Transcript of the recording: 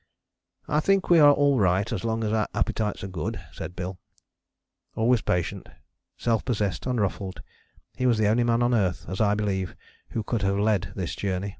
"I think we are all right as long as our appetites are good," said Bill. Always patient, self possessed, unruffled, he was the only man on earth, as I believe, who could have led this journey.